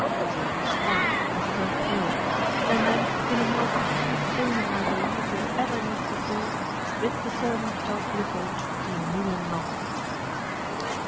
Allworthy started and turned pale, and then in a more passionate tone than I believe he had ever used before, bid the servant tell Blifil he knew him not.